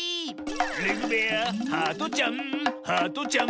レグべやハートちゃん